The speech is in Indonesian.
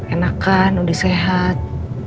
enakan udah sehat